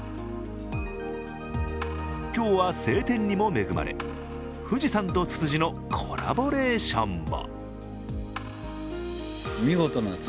今日は晴天にも恵まれ、富士山とツツジのコラボレーションも。